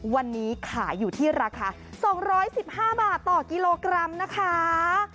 วันนี้ขายอยู่ที่ราคา๒๑๕บาทต่อกิโลกรัมนะคะ